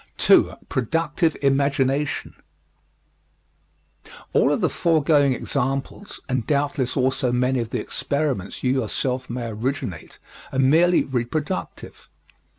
2. Productive Imagination All of the foregoing examples, and doubtless also many of the experiments you yourself may originate, are merely reproductive.